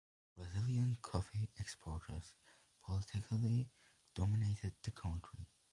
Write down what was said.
Brazilian coffee exporters politically dominated the country.